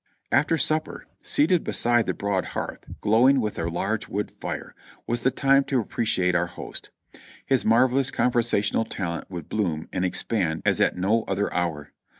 After supper, seated beside the broad hearth, glowing with a large wood fire, was the time to appreciate our host ; his mar velous conversational talent would bloom and expand as at no other hour.